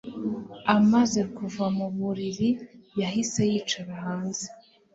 amaze kuva mu buriri yahise yicara hanze